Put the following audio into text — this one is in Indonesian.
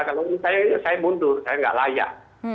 kalau saya mundur saya tidak layak